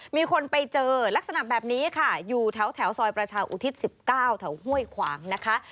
มีคนไปเจอลักษณะแบบนี้ค่ะอยู่แถวซอยประชาอุทิศ๑๙แถวห้วยขวางนะคะ